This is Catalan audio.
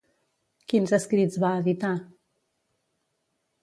Quins escrits va editar?